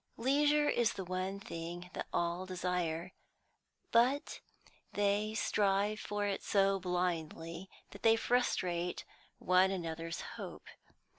Leisure is the one thing that all desire, but they strive for it so blindly that they frustrate one another's hope.